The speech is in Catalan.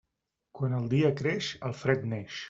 Quan el dia creix, el fred neix.